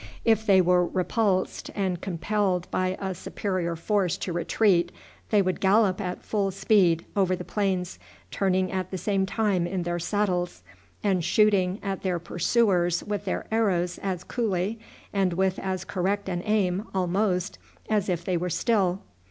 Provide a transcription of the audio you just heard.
If they were repulsed, and compelled by a superior force to retreat, they would gallop at full speed over the plains, turning at the same time in their saddles, and shooting at their pursuers with their arrows as coolly, and with as correct an aim, almost, as if they were still.